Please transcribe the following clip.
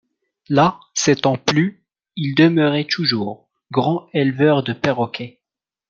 Là, s'étant plu, il demeurait toujours, grand éleveur de perroquets.